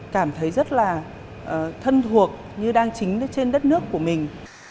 cảm thấy rất là thân thuộc như đang chính trên đất nước của mình